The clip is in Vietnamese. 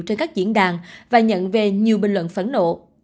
trên các diễn đàn và nhận về nhiều bình luận phẫn nộ